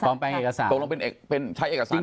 ตรงลงเป็นใช้เอกสารเท็จปลอมแปลง